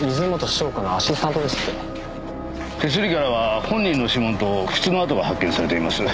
手すりからは本人の指紋と靴の跡が発見されています。